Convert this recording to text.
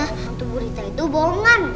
hantu burita itu bohongan